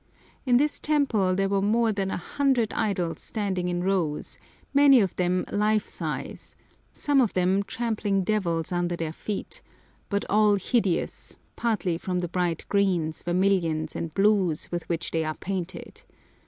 In this temple there were more than a hundred idols standing in rows, many of them life size, some of them trampling devils under their feet, but all hideous, partly from the bright greens, vermilions, and blues with which they are painted.